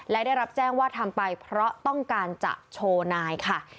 และได้รับแจ้งว่าทำไปเพราะต้องการจะโชว์นายค่ะ